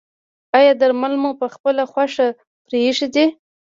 ایا درمل مو پخپله خوښه پریښي دي؟